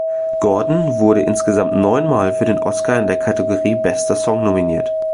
Gordon wurde insgesamt neun Mal für den Oscar in der Kategorie "bester Song" nominiert.